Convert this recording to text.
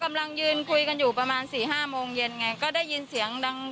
กำลังยืนคุยกันอยู่ประมาณสี่ห้าโมงเย็นไงก็ได้ยินเสียงดัง